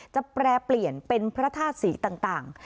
แปรเปลี่ยนเป็นพระธาตุสีต่าง